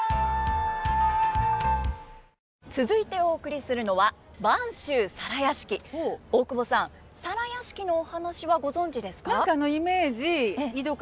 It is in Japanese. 続いてお送りするのは大久保さん「皿屋敷」のお話はご存じですか？